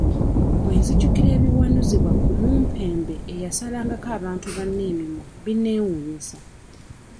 Bwe nzijukira ebiwanuzibwa ku mumpembe eyasalangako bantu banne emimwa bineewuunyisa.